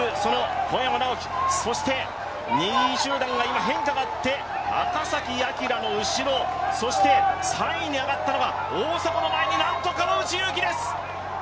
そして、２位集団が今変化があって、赤崎暁の後ろ３位に上がったのは大迫の前になんと川内優輝です